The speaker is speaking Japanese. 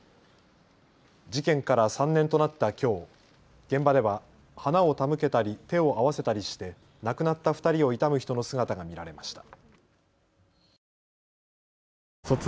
事件から３年となったきょう現場では花を手向けたり手を合わせたりして亡くなった２人を悼む人の姿が見られました。